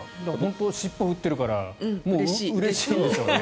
尻尾を振っているからうれしいんでしょうね。